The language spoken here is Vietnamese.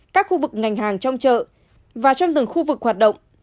các khu vực ngành hàng trong chợ và trong từng khu vực hoạt động